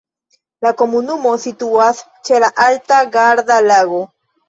La komunumo situas ĉe la alta Garda-Lago.